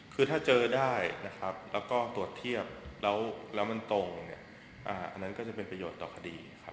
คือถ้าเจอได้แล้วก็ตรวจเทียบแล้วมันตรงอันนั้นก็จะเป็นประโยชน์ต่อคดี